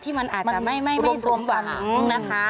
ที่มันอาจจะไม่สมหงค์นะคะ